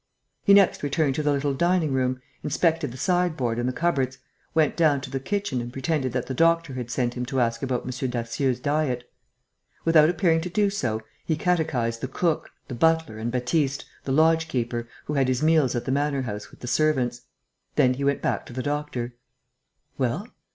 He next returned to the little dining room, inspected the sideboard and the cupboards, went down to the kitchen and pretended that the doctor had sent him to ask about M. Darcieux's diet. Without appearing to do so, he catechized the cook, the butler, and Baptiste, the lodge keeper, who had his meals at the manor house with the servants. Then he went back to the doctor: "Well?"